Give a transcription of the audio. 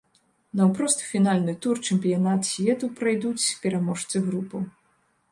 Наўпрост у фінальны турнір чэмпіянат свету прайдуць пераможцы групаў.